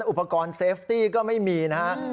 อุปกรณ์เซฟตี้ก็ไม่มีนะฮะ